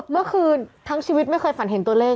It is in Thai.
เมื่อคืนทั้งชีวิตไม่เคยฝันเห็นตัวเลข